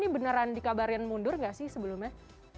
peran dikabarin mundur gak sih sebelumnya